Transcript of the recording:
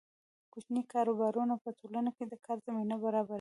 کوچني کاروبارونه په ټولنه کې د کار زمینه برابروي.